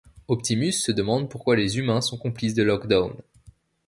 Optimus se demandent pourquoi les humains sont complices de Lockdown.